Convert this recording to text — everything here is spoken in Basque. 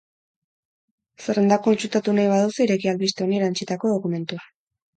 Zerrenda kontsultatu nahi baduzu, ireki albiste honi erantsitako dokumentua.